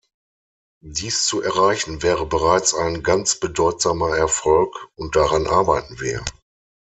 Dies zu erreichen wäre bereits ein ganz bedeutsamer Erfolg, und daran arbeiten wir.